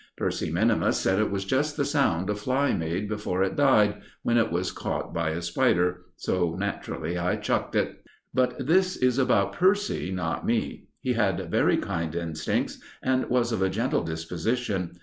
Percy minimus said it was just the sound a fly made before it died, when it was caught by a spider; so naturally I chucked it. But this about Percy, not me. He had very kind instincts, and was of a gentle disposition.